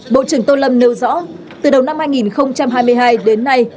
bộ trưởng tô lâm nêu rõ từ đầu năm hai nghìn hai mươi hai đến nay